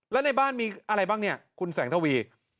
แล้วในบ้านมีอะไรบ้างเนี่ยคุณแสงทวี